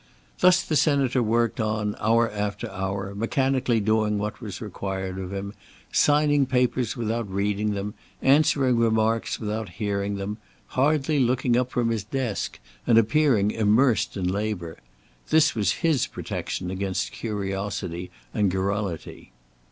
Thus the Senator worked on, hour after hour, mechanically doing what was required of him, signing papers without reading them, answering remarks without hearing them, hardly looking up from his desk, and appearing immersed in labour. This was his protection against curiosity and garrulity.